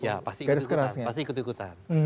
ya pasti ikut ikutan